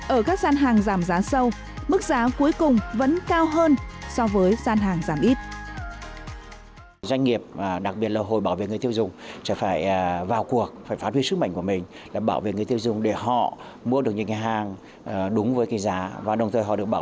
ở các gian hàng giảm giá sâu mức giá cuối cùng vẫn cao hơn so với gian hàng giảm ít